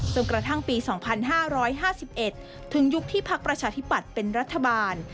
กระทั่งปี๒๕๕๑ถึงยุคที่พักประชาธิปัตย์เป็นรัฐบาล